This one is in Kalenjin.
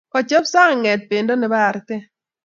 Kachop senget pendo nebo artet